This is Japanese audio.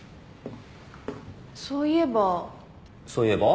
そういえば。